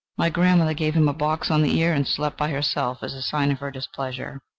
My grandmother gave him a box on the ear and slept by herself as a sign of her displeasure.